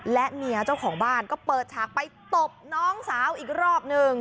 และเมียเจ้าของบ้านก็เปิดฉากไปตบน้องสาวอีกรอบหนึ่ง